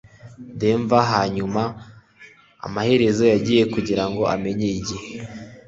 denver hanyuma amaherezo yagiye kugirango amenye igihe